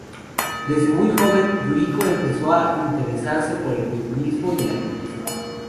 Desde muy joven, Yuriko empezó a interesarse por el feminismo y el activismo.